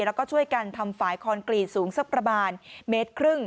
แล้วก็ช่วยกันทำฝายคอนกรีตสูงสักประบาท๑๕เมตร